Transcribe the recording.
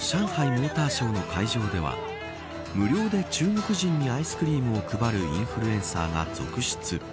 モーターショーの会場では無料で中国人にアイスクリームを配るインフルエンサーが続出。